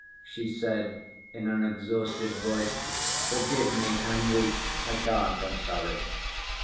she said in an exhausted voice. "Forgive me.... I'm weak, I can't.... I'm sorry."